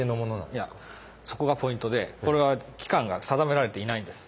いやそこがポイントでこれは期間が定められてないんです。